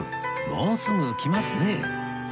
もうすぐ来ますね